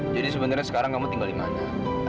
jadi sebenarnya sekarang kamu tinggal di mana